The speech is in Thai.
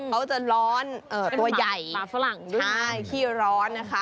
เขาจะร้อนตัวใหญ่เป็นหมาฝรั่งใช่ขี้ร้อนนะคะ